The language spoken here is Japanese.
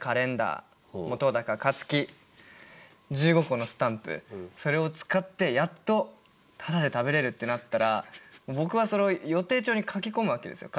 １５個のスタンプそれを使ってやっとタダで食べれるってなったら僕はそれを予定帳に書き込むわけですよ。